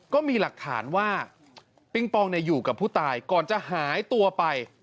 ก็มีหลักฐานว่าปิงปองอยู่กับผู้ตายก่อนจะหายตัวไป